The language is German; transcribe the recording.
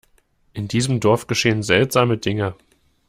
In diesem Dorf geschehen seltsame Dinge!